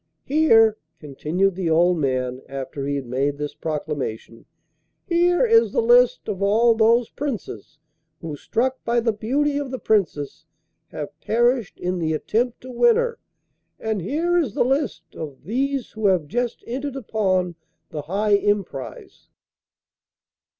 'Here,' continued the old man after he had made this proclamation 'here is the list of all those Princes who, struck by the beauty of the Princess, have perished in the attempt to win her; and here is the list of these who have just entered upon the high emprise.